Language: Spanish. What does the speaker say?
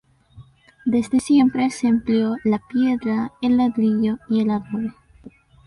Desde siempre se empleó la piedra, el ladrillo y el adobe.